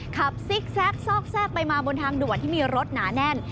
ซิกแทรกซอกแทรกไปมาบนทางด่วนที่มีรถหนาแน่น